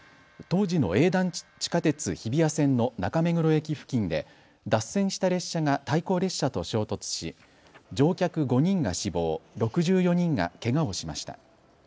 当時の営団地下鉄日比谷線の中目黒駅付近で脱線した列車が対向列車と衝突し乗客５人が死亡、６４人がけがをしました。